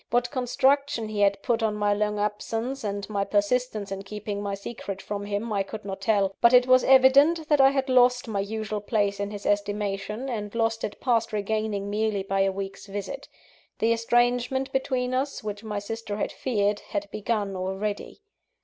What construction he had put on my long absence and my persistence in keeping my secret from him, I could not tell; but it was evident that I had lost my usual place in his estimation, and lost it past regaining merely by a week's visit. The estrangement between us, which my sister had feared, had begun already.